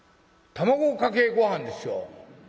「卵かけごはんですよ。